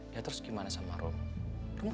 ya terus gimana sama rom